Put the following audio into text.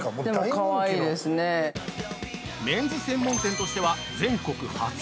◆メンズ専門店としては全国初。